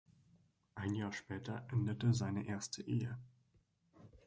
Ein Jahr später endete seine erste Ehe.